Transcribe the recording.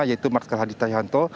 yaitu marskal hadi cahyanto